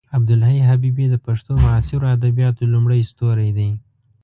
عبدالحی حبیبي د پښتو معاصرو ادبیاتو لومړی ستوری دی.